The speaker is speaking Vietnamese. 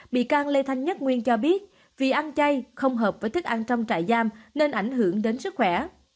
bị can lê thanh nhất nguyên cho biết vì ăn chay không hợp với thức ăn trong trại giam nên ảnh hưởng đến sức khỏe